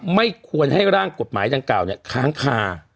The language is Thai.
ไม่ควรให้ร่างกฎหมายทั้งเก่าขังคา